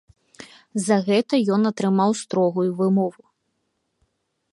За гэта ён атрымаў строгую вымову.